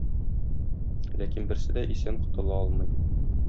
Ләкин берсе дә исән котыла алмый.